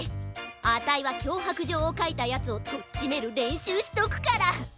あたいはきょうはくじょうをかいたヤツをとっちめるれんしゅうしとくから。